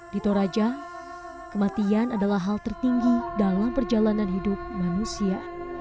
di toraja kematian adalah hal tertinggi dalam perjalanan hidup manusia